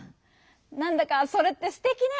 なんだかそれってすてきね！